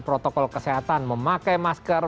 protokol kesehatan memakai masker